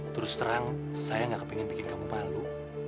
terus terang saya nggak kepingin bikin kamu palu